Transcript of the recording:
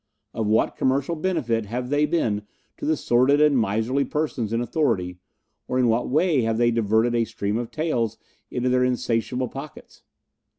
Of what commercial benefit have they been to the sordid and miserly persons in authority, or in what way have they diverted a stream of taels into their insatiable pockets?